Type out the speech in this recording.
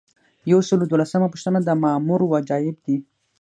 یو سل او دولسمه پوښتنه د مامور وجایب دي.